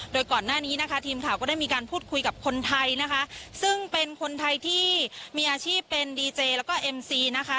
โดยก่อนหน้านี้นะคะทีมข่าวก็ได้มีการพูดคุยกับคนไทยนะคะซึ่งเป็นคนไทยที่มีอาชีพเป็นดีเจแล้วก็เอ็มซีนะคะ